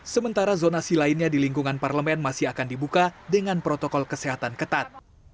sementara zonasi lainnya di lingkungan parlemen masih akan dibuka dengan protokol kesehatan ketat